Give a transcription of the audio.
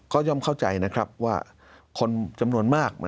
ก็ย่อมเข้าใจนะครับว่าคนจำนวนมาก